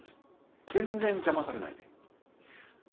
全然邪魔されないで。